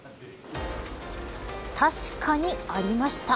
確かにありました。